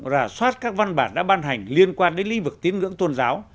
rà soát các văn bản đã ban hành liên quan đến lý vực tiếng ngưỡng tôn giáo